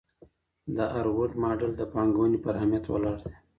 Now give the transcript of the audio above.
د هارود ماډل د پانګوني پر اهمیت ولاړ دی.